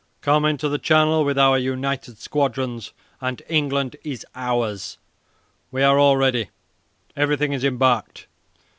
Come into the Channel with our united squadrons, and England is ours. We are all ready. Everything is embarked.